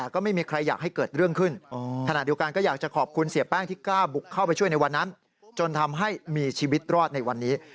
เข้าไปช่วยในวันนั้นจนทำให้มีชีวิตรอดในวันนี้